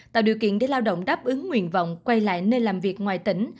tạo điều kiện để lao động đáp ứng nguyện vọng quay lại nơi làm việc ngoài tỉnh